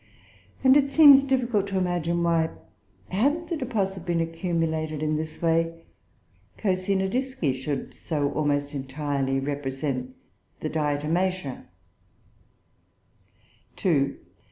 And it seems difficult to imagine why, had the deposit been accumulated in this way, Coscinodisci should so almost entirely represent the Diatomaceoe. "2.